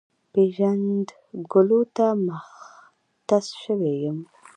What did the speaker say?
پېژنګلو ته مختص شوی دی،